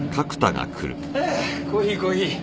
はぁコーヒーコーヒー！